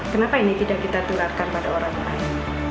kenapa ini tidak kita turahkan pada orang lain